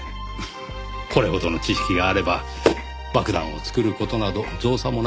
これほどの知識があれば爆弾を作る事など造作もなかったでしょうねぇ。